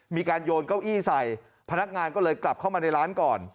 มีการโยนเก้าอี้ใส่พนักงานก็เลยกลับเข้ามาในร้านก่อน